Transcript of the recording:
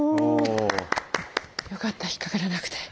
よかった引っ掛からなくて。